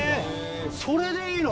それでいいの？